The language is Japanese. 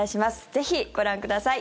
ぜひご覧ください。